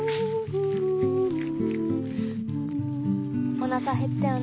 おなかへったよね。